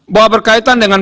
bahwa berkaitan dengan